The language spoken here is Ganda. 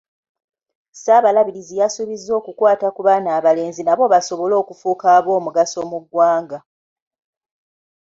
Ssaabalabirizi yasuubizza okukwata ku baana abalenzi nabo basobole okufuuka ab’omugaso mu ggwanga.